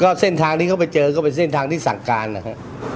ก็เส้นทางที่เขาไปเจอก็เป็นเส้นทางที่สั่งการนะฮะ